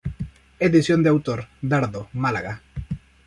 Edición de autor, Dardo, Málaga.